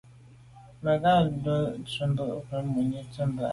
Mə́ ngə́ lódə́ bə̄ zə̄ bū rə̂ mùní ndɛ̂mbə́ bú gə̀ rə̌ tsə̀mô' nù.